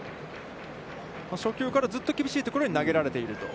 初球からずっと厳しいところに投げられていると。